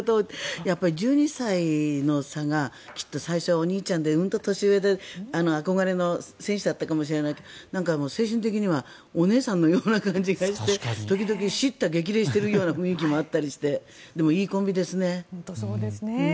１２歳の差が、きっと最初お兄ちゃんでうんと年上であこがれの選手だったかもしれないけど精神的にはお姉さんのような感じがして時々、叱咤激励しているような雰囲気もあったりしてでも、いいコンビですね。